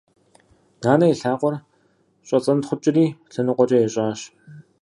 Нанэ и лъакъуэр щӏэцӏэнтхъукӏри лъэныкъуэкӏэ ещӏащ.